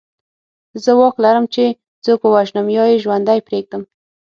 زه واک لرم چې څوک ووژنم یا یې ژوندی پرېږدم